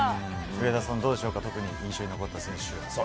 上田さん、どうでしょうか特に印象に残った選手は？